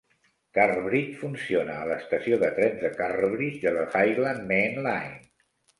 Carrbridge funciona a l'estació de trens de Carrbridge de la Highland Main Line.